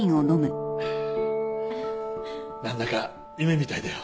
なんだか夢みたいだよ。